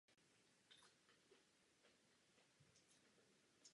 Dlouhodobě byl starostou Chebu.